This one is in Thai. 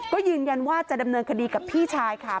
ก็ยืนยันว่าจะดำเนินคดีกับพี่ชายค่ะ